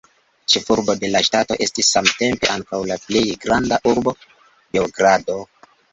Ĉefurbo de la ŝtato estis samtempe ankaŭ la plej granda urbo Beogrado.